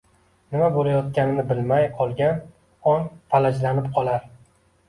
nima bo‘layotganini bilmay qolgan ong falajlanib qolar